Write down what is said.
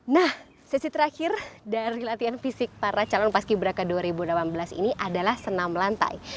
nah sesi terakhir dari latihan fisik para calon paski braka dua ribu delapan belas ini adalah senam lantai